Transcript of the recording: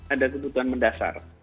ada kebutuhan mendasar